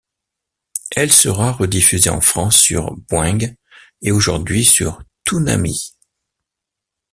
Elle sera rediffusée en France sur Boing et aujourd'hui sur Toonami.